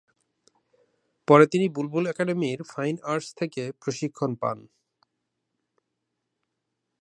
পরে তিনি বুলবুল একাডেমীর ফাইন আর্টস থেকে প্রশিক্ষণ পান।